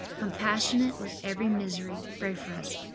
compassionate with every misery, pray for us.